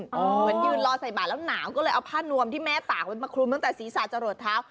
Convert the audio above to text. เหมือนยืนรอใส่บาทแล้วหนาวก็เลยเอาผ้านวมที่แม่ตากไว้มาคลุมตั้งแต่ศีรษะจะหลดเท้า